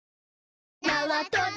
なわとび